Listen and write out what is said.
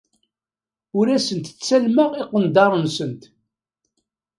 Ur asent-ttalmeɣ tiqendyar-nsent.